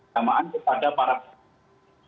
samaan kepada para pemerintah